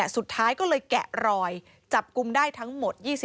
สุดท้ายก็เลยแกะรอยจับกลุ่มได้ทั้งหมด